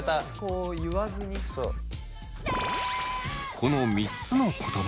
この３つの言葉。